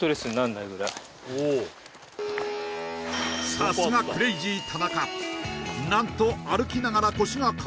さすがクレイジー田中